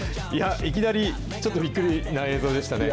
いきなり、ちょっとびっくりな映像でしたね。